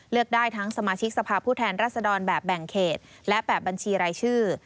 เลือกได้ทั้งสมาชิกสภาพผู้แทนรัศดรแบบแบ่งเขตและแบบบัญชีรายชื่อ